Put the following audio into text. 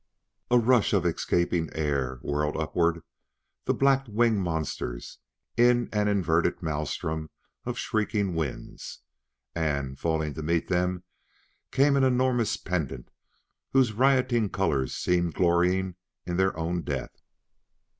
A rush of escaping air whirled upward the black winged monsters in an inverted maelstrom of shrieking winds. And, falling to meet them, came an enormous pendant whose rioting colors seemed glorying in their own death.